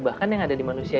bahkan yang ada di manusia